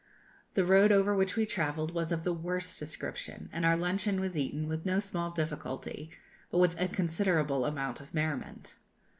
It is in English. The road over which we travelled was of the worst description, and our luncheon was eaten with no small difficulty, but with a considerable amount of merriment.